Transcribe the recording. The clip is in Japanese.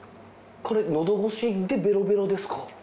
これのどごしでベロベロですか？